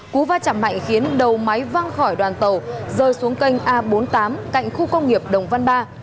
cú va chạm mạnh khiến đầu máy văng khỏi đoàn tàu rơi xuống kênh a bốn mươi tám cạnh khu công nghiệp đồng văn ba